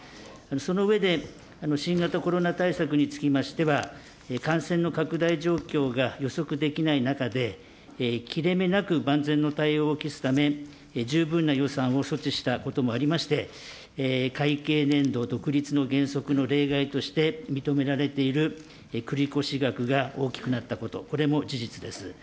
その上で、新型コロナ対策につきましては、感染の拡大状況が予測できない中で、切れ目なく万全の対応を期すため、十分な予算を措置したこともありまして、会計年度独立の原則の例外として認められている繰り越し額が大きくなったこと、これも事実です。